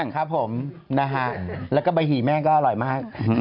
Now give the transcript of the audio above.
ครับผมนะฮะแล้วก็ใบหี่แม่งก็อร่อยมาก